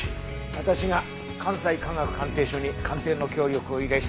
私が関西科学鑑定所に鑑定の協力を依頼したんだよ。